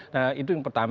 nah itu yang pertama